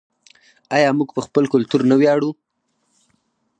آیا موږ په خپل کلتور نه ویاړو؟